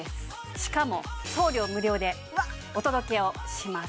しかも送料無料でお届けをします